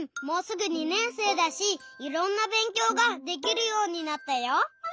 もうすぐ２年生だしいろんなべんきょうができるようになったよ！